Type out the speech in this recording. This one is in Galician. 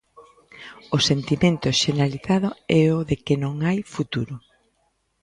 O sentimento xeneralizado é o de que non hai futuro.